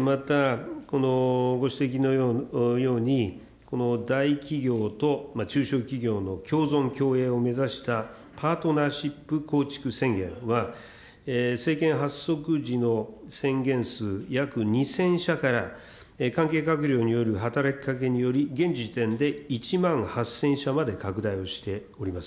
また、このご指摘のように、大企業と中小企業の共存共栄を目指したパートナーシップ構築宣言は、政権発足時の宣言数約２０００社から、関係閣僚による働きかけにより、現時点で１万８０００社まで拡大をしております。